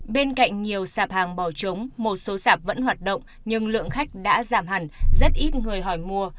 bên cạnh nhiều sạp hàng bỏ trống một số sạp vẫn hoạt động nhưng lượng khách đã giảm hẳn rất ít người hỏi mua